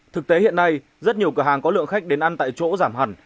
thực tế hiện nay rất nhiều cửa hàng có lượng khách đến ăn tại chỗ giảm hẳn